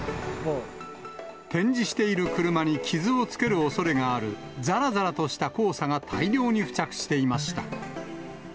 展示している車に傷をつけるおそれがある、ざらざらとした黄砂が大量に付着していました。